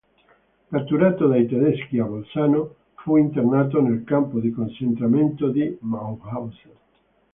Catturato dai tedeschi a Bolzano fu internato nel campo di concentramento di Mauthausen.